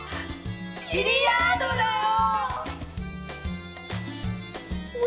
ビリヤードだよ。